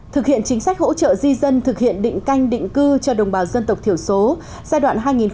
thực hiện chính sách hỗ trợ di dân thực hiện định canh định cư cho đồng bào dân tộc thiểu số giai đoạn hai nghìn bảy hai nghìn một mươi